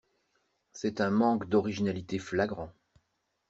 C'est un manque d'originalité flagrant.